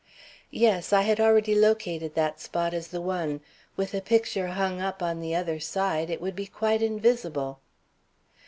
"Yes, I had already located that spot as the one. With the picture hung up on the other side, it would be quite invisible."